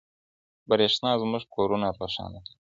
برښنا زموږ کورونه روښانه کوي.